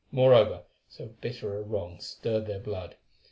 Moreover, so bitter a wrong stirred their blood.